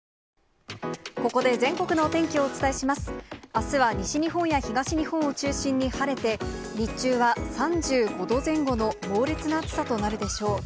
あすは西日本や東日本を中心に晴れて、日中は３５度前後の猛烈な暑さとなるでしょう。